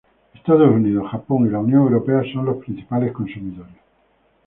Estados Unidos, Japón, y la Unión Europea son los principales consumidores.